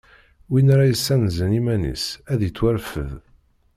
Win ara yessanzen iman-is ad ittwarfed.